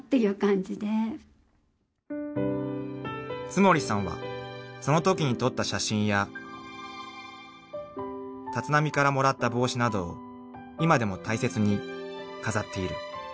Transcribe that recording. ［津森さんはそのときに撮った写真や立浪からもらった帽子などを今でも大切に飾っている］